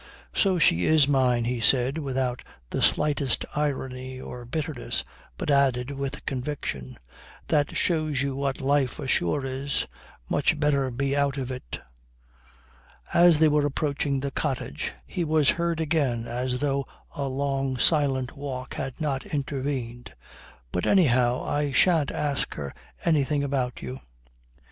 "So she is mine," he said without the slightest irony or bitterness, but added with conviction: "That shows you what life ashore is. Much better be out of it." As they were approaching the cottage he was heard again as though a long silent walk had not intervened: "But anyhow I shan't ask her anything about you."